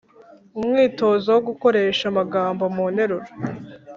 Umwitozo wo gukoresha amagambo mu nteruro